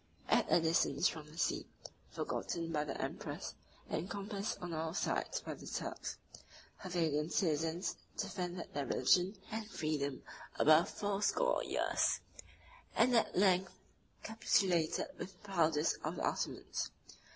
At a distance from the sea, forgotten by the emperors, encompassed on all sides by the Turks, her valiant citizens defended their religion and freedom above fourscore years; and at length capitulated with the proudest of the Ottomans.